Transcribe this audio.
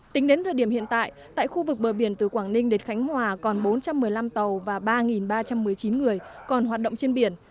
tính đến thời điểm hiện tại tại khu vực bờ biển từ quảng ninh đến khánh hòa còn bốn trăm một mươi năm tàu và ba ba trăm một mươi chín người còn hoạt động trên biển